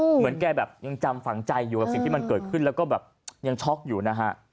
เหมือนแกแบบยังจำฝังใจอยู่กับสิ่งที่มันเกิดขึ้นแล้วก็แบบยังช็อกอยู่นะฮะ